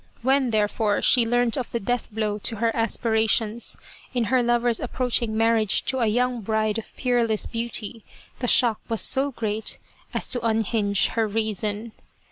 When, therefore, she learnt of the death blow to her aspirations in her lover's approaching marriage to a young bride of peerless beauty, the shock was so great as to unhinge her reason.